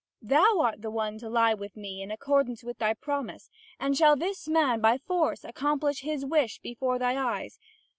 Thou art the one to lie with me, in accordance with thy promise; and shall this man by force accomplish his wish before thy eyes?